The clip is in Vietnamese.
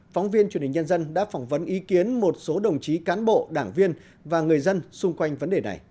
phóng viên truyền hình nhân dân đã phỏng vấn ý kiến một số đồng chí cán bộ đảng viên và người dân xung quanh vấn đề này